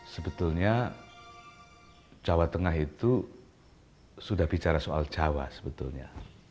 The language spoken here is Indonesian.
sebetulnya jawa tengah itu sudah bicara soal jawa sebetulnya